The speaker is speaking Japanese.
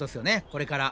これから。